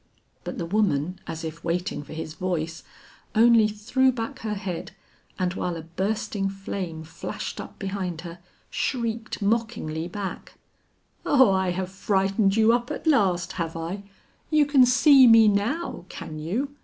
But the woman as if waiting for his voice, only threw back her head, and while a bursting flame flashed up behind her, shrieked mockingly back: "Oh I have frightened you up at last, have I? You can see me now, can you?